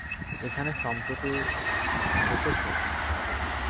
এখানে সম্প্রতি এসেছ?